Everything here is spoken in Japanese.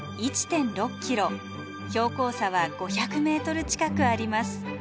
標高差は５００ｍ近くあります。